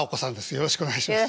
よろしくお願いします。